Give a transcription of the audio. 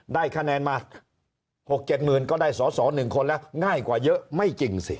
ได้คะแนนมา๖๗หมื่นก็ได้สอสอ๑คนแล้วง่ายกว่าเยอะไม่จริงสิ